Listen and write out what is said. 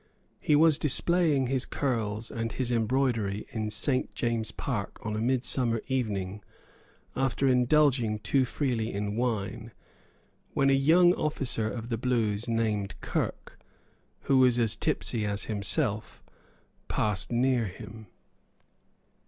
He was displaying his curls and his embroidery in Saint James's Park on a midsummer evening, after indulging too freely in wine, when a young officer of the Blues named Kirke, who was as tipsy as himself, passed near him.